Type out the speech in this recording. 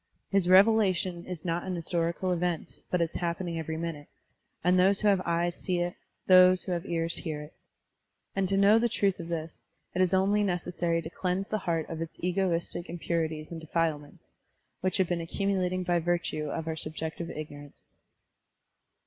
His revelation is not an historical event, but it is happening every minute, and those who have eyes see it, those who have ears hear it. And to know the truth of this, it is only necessary to cleanse the heart of its egoistic impurities and defilements, which have been accumulating by virtue of our subjective ignorance.